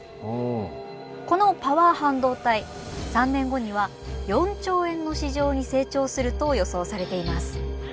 このパワー半導体３年後には４兆円の市場に成長すると予想されています。